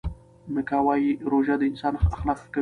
میکا وايي روژه د انسان اخلاق ښه کوي.